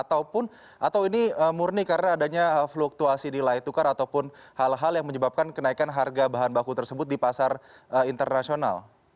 atau ini murni karena adanya fluktuasi nilai tukar ataupun hal hal yang menyebabkan kenaikan harga bahan baku tersebut di pasar internasional